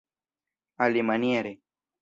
alimaniere